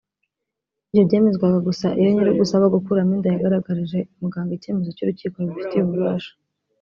Ibyo byemezwaga gusa iyo nyir’ugusaba gukuramo inda yagaragarije muganga icyemezo cy’urukiko rubifitiye ububasha